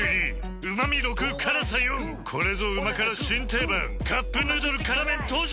４これぞ旨辛新定番「カップヌードル辛麺」登場！